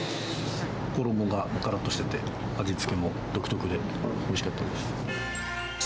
衣がからっとしてて、味付けも独特で、おいしかったです。